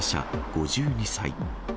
５２歳。